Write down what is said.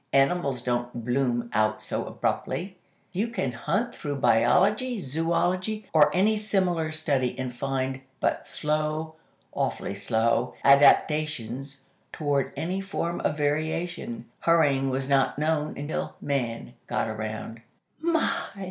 Animals don't 'bloom' out so abruptly. You can hunt through Biology, Zoology or any similar study, and find but slow, awfully slow, adaptations toward any form of variation. Hurrying was not known until Man got around." "My!"